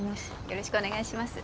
よろしくお願いします。